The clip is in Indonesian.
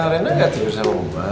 karena rena gak tidur sama oma